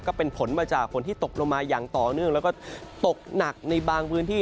ก็เป็นผลมาจากฝนที่ตกลงมาอย่างต่อเนื่องแล้วก็ตกหนักในบางพื้นที่